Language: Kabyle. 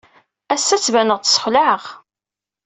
Ass-a, ttbaneɣ-d ssexlaɛeɣ.